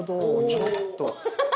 ちょっと。